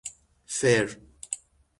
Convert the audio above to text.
فر